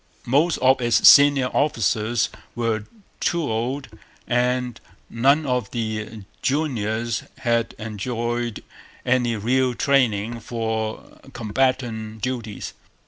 Most of its senior officers were too old; and none of the juniors had enjoyed any real training for combatant duties.